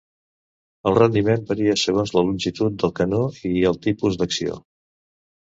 El rendiment varia segons la longitud del canó i el tipus d'acció.